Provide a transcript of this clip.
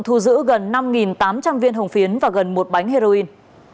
thu giữ gần năm tám trăm linh viên hồng phiến và gần một bánh heroin